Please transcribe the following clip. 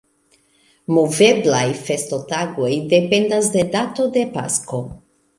Moveblaj festotagoj dependas de dato de Pasko.